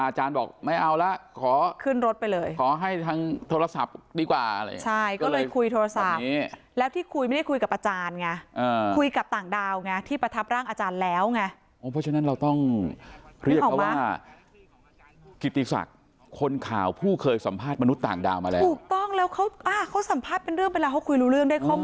บอกไม่เอาละขอขึ้นรถไปเลยขอให้ทางโทรศัพท์ดีกว่าอะไรอย่างนี้ใช่ก็เลยคุยโทรศัพท์แล้วที่คุยไม่ได้คุยกับอาจารย์ไงคุยกับต่างดาวไงที่ประทับร่างอาจารย์แล้วไงเพราะฉะนั้นเราต้องเรียกเขาว่ากิติศักดิ์คนข่าวผู้เคยสัมภาษณ์มนุษย์ต่างดาวมาแล้วถูกต้องแล้วเขาอ่ะ